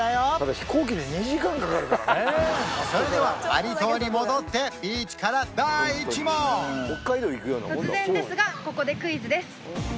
それではバリ島に戻ってビーチから第１問突然ですがここでクイズです